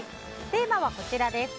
テーマはこちらです。